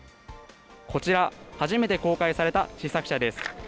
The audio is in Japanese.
こちら、初めて公開された試作車です。